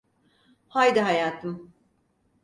Haydi hayatım.